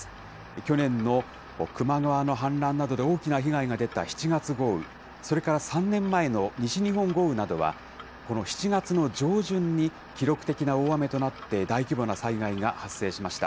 去年の球磨川の氾濫などで大きな被害が出た７月豪雨、それから３年前の西日本豪雨などは、この７月の上旬に記録的な大雨となって、大規模な災害が発生しました。